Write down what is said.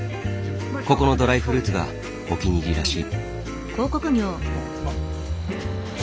ここのドライフルーツがお気に入りらしい。